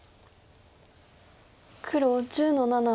黒１０の七。